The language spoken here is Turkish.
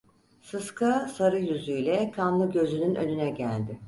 Sıska, sarı yüzüyle kanlı gözünün önüne geldi.